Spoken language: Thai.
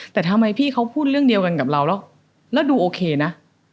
แต่ทำไมพี่เขาพูดเรื่องเดียวกันกับเราแล้วดูโอเคนะ